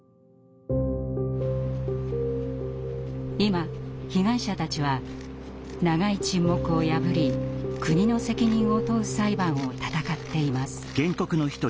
今被害者たちは長い沈黙を破り国の責任を問う裁判を闘っています。